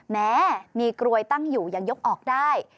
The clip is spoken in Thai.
แม้มีกลวยตั้งอยู่ยังยกออกได้